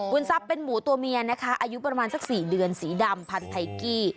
ทรัพย์เป็นหมูตัวเมียนะคะอายุประมาณสัก๔เดือนสีดำพันธัยกี้